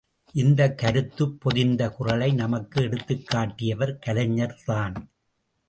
இந்தக் கருத்துப் பொதிந்த குறளை நமக்கு எடுத்துக்காட்டியவர் கலைஞர் தான்!